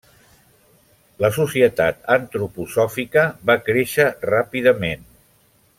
La Societat antroposòfica va créixer ràpidament.